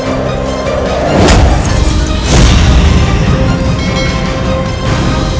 aku harus bisa menemukannya